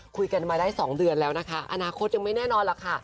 คุยกันมาได้๒เดือนแล้วนะคะอนาคตยังไม่แน่นอนหรอกค่ะ